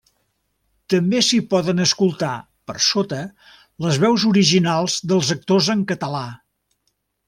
També s'hi poden escoltar, per sota, les veus originals dels actors en català.